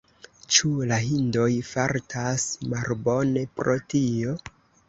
Ĉu la hindoj fartas malbone pro tio?